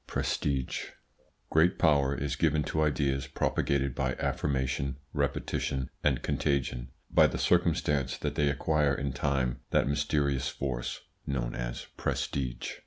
PRESTIGE Great power is given to ideas propagated by affirmation, repetition, and contagion by the circumstance that they acquire in time that mysterious force known as prestige.